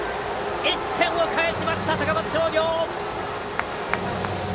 １点を追加しました、高松商業！